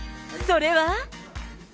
それは。